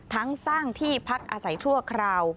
สร้างที่พักอาศัยชั่วคราว